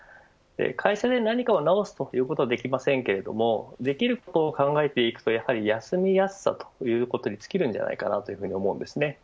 会社で何かを治すということはできませんけれどできることを考えてくとやはり休みやすさということに尽きるのではないかと思います。